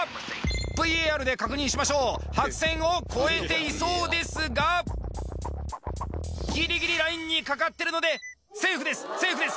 ＶＡＲで確認しましょう白線を越えていそうですがギリギリラインにかかってるのでセーフですセーフです